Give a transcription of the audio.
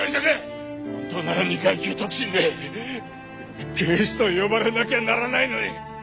本当なら２階級特進で警視と呼ばれなきゃならないのに。